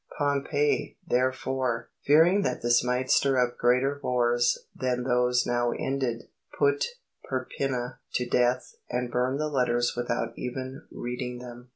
Pompey, therefore, fearing that this might stir up greater wars than those now ended, put Perpenna to death and burned the letters without even reading them."